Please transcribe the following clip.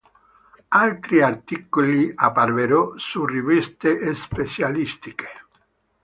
Altri articoli apparvero su riviste specialistiche.